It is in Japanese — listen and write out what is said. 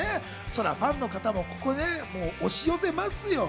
ファンの方も押し寄せますよ。